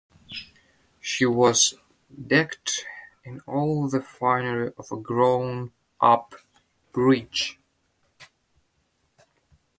She was decked in all the finery of a grown-up bride.